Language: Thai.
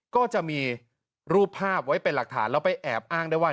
ก็จะมีรูปภาพไว้เป็นหลักฐานแล้วไปแอบอ้างได้ว่า